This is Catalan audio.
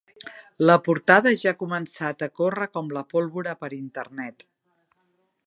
La portada ja ha començat a córrer com la pólvora per internet.